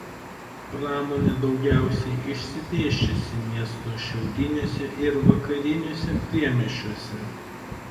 Pramonė daugiausia išsidėsčiusi miesto šiauriniuose ir vakariniuose priemiesčiuose.